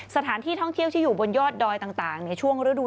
สถานที่ท่องเที่ยวที่อยู่บนยอดดอยต่างในช่วงฤดู